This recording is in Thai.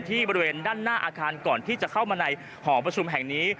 บริเวณด้านหน้าอาคารก่อนที่จะเข้ามาในหอประชุมแห่งนี้